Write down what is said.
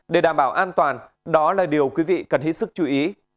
để đảm bảo an toàn đó là điều quý vị cần hết sức chú ý